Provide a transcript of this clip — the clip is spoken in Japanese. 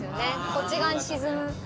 こっち側に沈むから。